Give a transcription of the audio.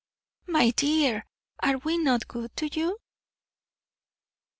"My dear, are we not good to you?"